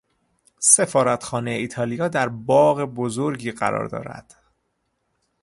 سفارتخانهی ایتالیا در باغ بزرگی قرار دارد.